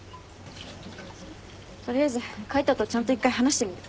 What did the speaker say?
取りあえず海斗とちゃんと一回話してみる。